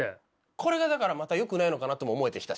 これがだからまたよくないのかなとも思えてきたし。